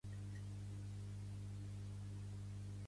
Aquella nit vam dormir profundament.